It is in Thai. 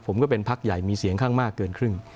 ผมก็เป็นพักใหญ่มีเสียงข้างมากเกินครึ่ง